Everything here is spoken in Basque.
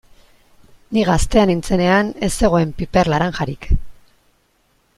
Ni gaztea nintzenean ez zegoen piper laranjarik.